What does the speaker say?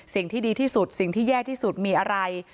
สิ่งที่ดีที่สุดสิ่งที่แย่ที่สุดมีอะไร